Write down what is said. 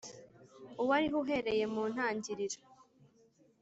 Uwariho uhereye mu ntangiriro